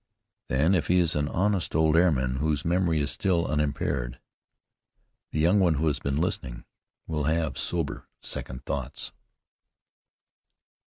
Then, if he is an honest old airman whose memory is still unimpaired, the young one who has been listening will have sober second thoughts.